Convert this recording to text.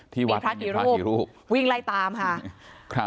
ที่วัดมีพระอีกรูปวิ่งไล่ตามค่ะครับ